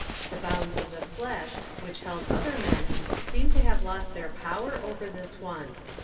The bounds of the flesh which held other mea seemed to have lost their power over this one.